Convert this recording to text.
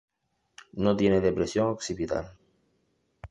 No tiene depresión occipital.